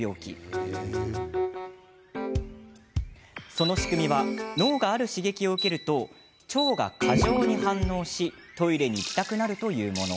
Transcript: その仕組みは脳が、ある刺激を受けると腸が過剰に反応しトイレに行きたくなるというもの。